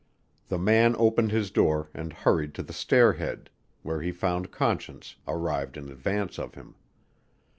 The man opened his door and hurried to the stairhead, where he found Conscience, arrived in advance of him.